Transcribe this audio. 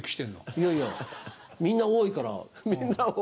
いやいやみんな多いから。